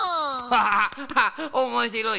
ワハハハおもしろい。